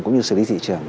cũng như xử lý thị trường